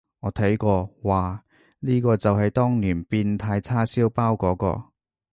我睇過，嘩，呢個就係當年變態叉燒包嗰個？